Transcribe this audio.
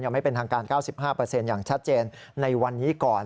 ไม่เป็นทางการ๙๕อย่างชัดเจนในวันนี้ก่อน